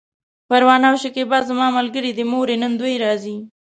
پروانه او شکيبه زما ملګرې دي، مورې! نن دوی راځي!